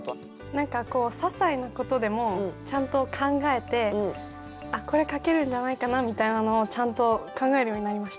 何かこうささいなことでもちゃんと考えてあっこれ書けるんじゃないかなみたいなのをちゃんと考えるようになりました。